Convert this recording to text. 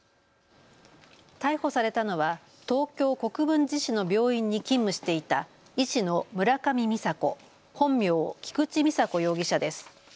逮捕されたのは東京国分寺市の病院に勤務していた医師の村上美佐子、本名、菊池美佐子容疑者です。